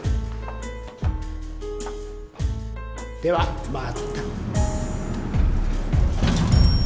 ではまた。